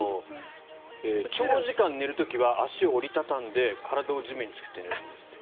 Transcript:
長時間寝る時は足を折り畳んで体を地面につけて寝るんですって。